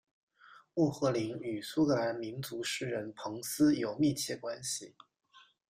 莫赫林与苏格兰民族诗人彭斯有密切关系。